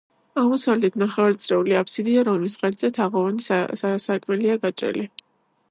აღმოსავლეთით ნახევარწრიული აფსიდია, რომლის ღერძზე თაღოვანი სარკმელია გაჭრილი.